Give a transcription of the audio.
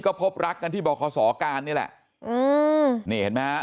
ก็พบรักกันที่บรขสอการนี่แหละนี่เห็นมั้ยฮะ